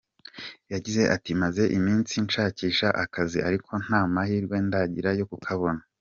Yagize ati”maze iminsi nshakisha akazi, ariko nta mahirwe ndagira yo kukabona.